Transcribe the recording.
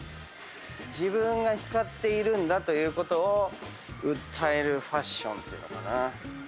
自分が光っているんだということを訴えるファッションっていうのかな。